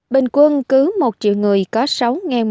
bình quân cứ một triệu người có sáu một trăm một mươi ba ca nhiễm